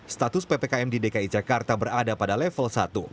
status ppkm di dki jakarta berada pada level satu